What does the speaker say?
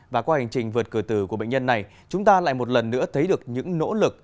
và qua hành trình vượt cửa tử của bệnh nhân này chúng ta lại một lần nữa thấy được những nỗ lực